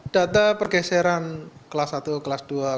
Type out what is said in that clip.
data pergeseran kelas satu kelas dua